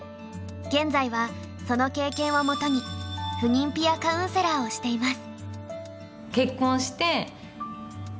現在はその経験をもとに不妊ピア・カウンセラーをしています。